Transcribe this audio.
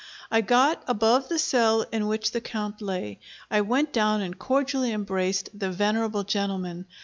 I got above the cell in which the Count lay; I went down and cordially embraced the venerable gentleman.